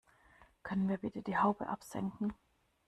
Können wir bitte die Haube absenken?